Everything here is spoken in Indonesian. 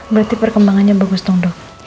berarti perkembangannya bagus dong dok